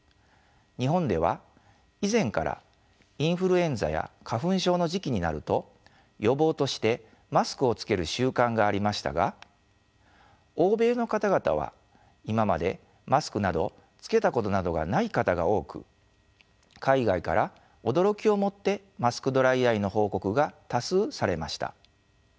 日本では以前からインフルエンザや花粉症の時期になると予防としてマスクをつける習慣がありましたが欧米の方々は今までマスクなどつけたことなどがない方が多く海外から驚きをもってマスクドライアイの報告が多数されました。